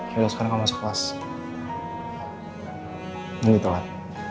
yaudah sekarang kamu masuk kelas